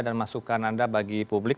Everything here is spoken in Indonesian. masukan anda bagi publik